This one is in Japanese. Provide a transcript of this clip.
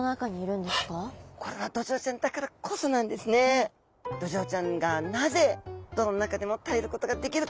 これはドジョウちゃんがなぜ泥の中でも耐えることができるか